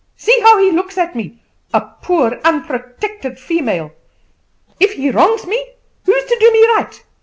See how he looks at me a poor unprotected female! If he wrongs me, who is to do me right?"